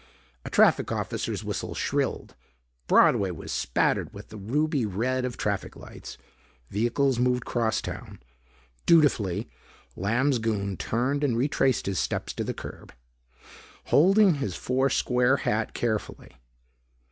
A traffic officer's whistle shrilled. Broadway was spattered with the ruby red of traffic lights. Vehicles moved crosstown. Dutifully Lamb's goon turned and retraced his steps to the curb, holding his four square hat carefully.